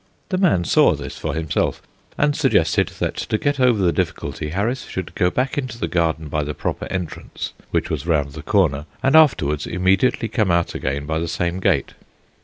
The man saw this for himself, and suggested that to get over the difficulty Harris should go back into the garden by the proper entrance, which was round the corner, and afterwards immediately come out again by the same gate.